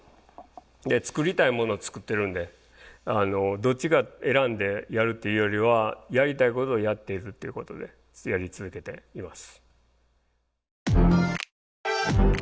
作りたいものを作ってるんでどっちか選んでやるっていうよりはやりたいことをやっているっていうことでずっとやり続けています。